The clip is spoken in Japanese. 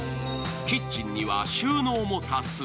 キッチンには収納も多数。